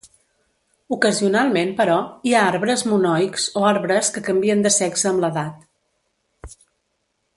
Ocasionalment, però, hi ha arbres monoics o arbres que canvien de sexe amb l'edat.